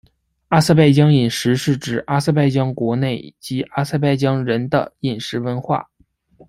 阿塞拜疆饮食是指阿塞拜疆国内及阿塞拜疆人的饮食文化。